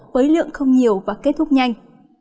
với lượng không nhiều và kết thúc nhanh